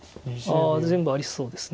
全部ありそうです。